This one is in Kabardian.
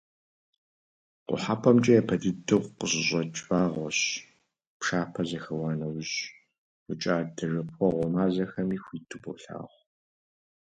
КъухьэпӀэмкӀэ япэ дыдэу къыщыщӀэкӀ вагъуэщ, пшапэ зэхэуа нэужь, фокӀадэ-жэпуэгъуэ мазэхэми хуиту болъагъу.